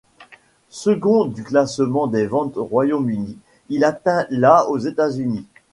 Second du classement des ventes au Royaume-Uni, il atteint la aux États-Unis.